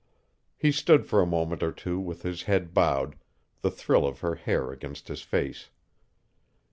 He stood for a moment or two with his head bowed, the thrill of her hair against his face.